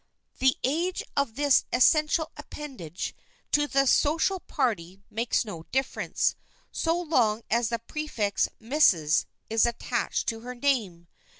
The age of this essential appendage to the social party makes no difference, so long as the prefix "Mrs." is attached to her name.